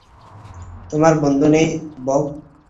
তোমার বন্ধু নেই, বব।